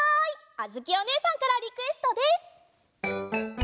あづきおねえさんからリクエストです！